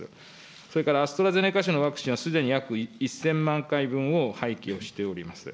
それからアストラゼネカ社のワクチンはすでに約１０００万回分を廃棄をしております。